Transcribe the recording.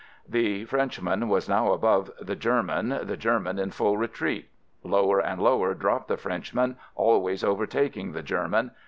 The Frenchman was now above the Ger man, the German in full retreat. Lower and lower dropped the Frenchman, al ways overtaking the German.